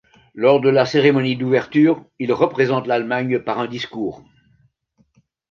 Lors de la cérémonie d'ouverture, il représente l'Allemagne par un discours.